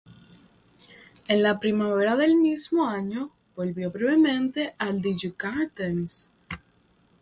En la primavera del mismo año volvió brevemente al Djurgårdens.